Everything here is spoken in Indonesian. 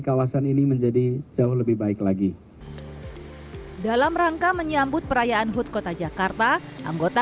kawasan ini menjadi jauh lebih baik lagi dalam rangka menyambut perayaan hut kota jakarta anggota